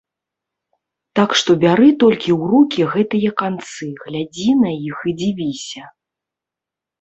Так што бяры толькі ў рукі гэтыя канцы, глядзі на іх і дзівіся.